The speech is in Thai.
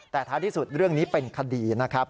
แต่ท้ายที่สุดเรื่องนี้เป็นคดีนะครับ